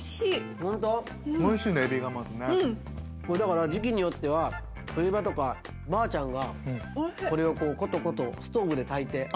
これだから時期によっては冬場とかばあちゃんがこれをこうことことストーブで炊いて。